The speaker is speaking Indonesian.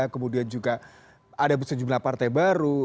kemudian juga ada sejumlah partai baru